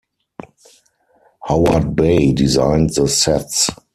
Howard Bay designed the sets.